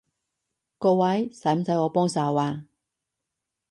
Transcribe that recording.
各位，使唔使我幫手啊？